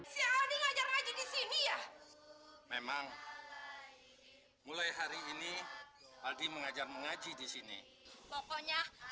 sampai jumpa di video selanjutnya